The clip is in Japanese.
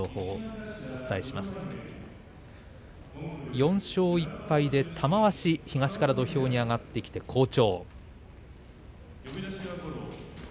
４勝１敗で玉鷲東から土俵に上がってきて好調。